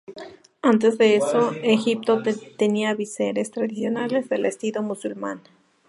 Antes de eso, Egipto tenía visires tradicionales de estilo musulmán.